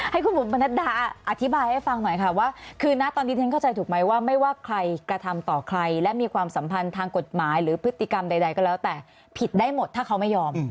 ให้คุณบุ๋มปนัดดาอธิบายให้ฟังหน่อยค่ะว่าคือนะตอนนี้ฉันเข้าใจถูกไหมว่าไม่ว่าใครกระทำต่อใครและมีความสัมพันธ์ทางกฎหมายหรือพฤติกรรมใดก็แล้วแต่ผิดได้หมดถ้าเขาไม่ยอม